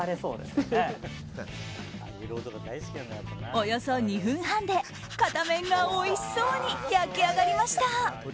およそ２分半で片面がおいしそうに焼き上がりました。